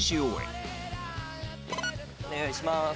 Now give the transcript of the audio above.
お願いします。